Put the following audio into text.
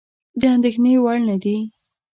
د اندېښنې وړ نه دي.